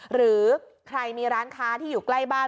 หรือใครมีร้านค้าที่อยู่ใกล้บ้าน